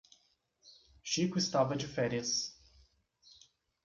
Chico estava de férias.